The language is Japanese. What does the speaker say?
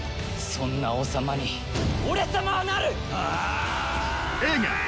そんな王様に俺様はなる！